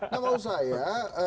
nah menurut saya